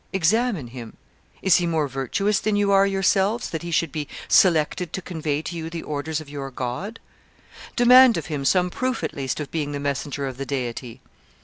Examine him. Is he more virtuous than you are yourselves that he should be selected to convey to you the orders of your God? Demand of him some proof at least of being the messenger of the Deity.